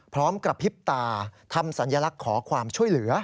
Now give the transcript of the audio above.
พร้อมกระพริบตาทำสัญลักษณ์ขอความช่วยเหลือ